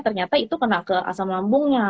ternyata itu kena ke asam lambungnya